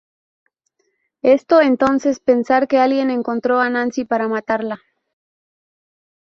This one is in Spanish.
Esto entonces pensar que alguien encontró a Nancy para matarla.